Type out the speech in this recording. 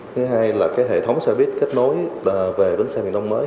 thứ hai là cái hệ thống xe buýt kết nối về đến xe viện đông mới